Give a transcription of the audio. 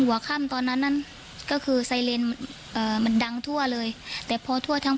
หัวค่ำตอนนั้นนั้นก็คือไซเลนเอ่อมันดังทั่วเลยแต่พอทั่วทั้ง